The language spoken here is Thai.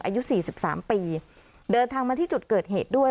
อายุสี่สิบสามปีเดินทางมาที่จุดเกิดเหตุด้วย